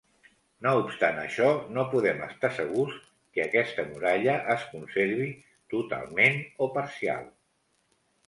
No obstant això, no podem estar segurs que aquesta muralla es conservi totalment o parcial.